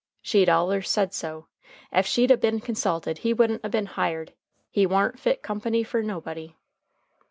She'd allers said so. Ef she'd a been consulted he wouldn't a been hired. He warn't fit company fer nobody."